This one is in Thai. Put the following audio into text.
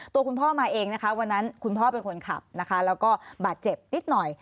ตัวคุณพ่อมาเองนะคะวันนั้นคุณพ่อเป็นคนขับนะคะแล้วก็บาดเจ็บนิดหน่อย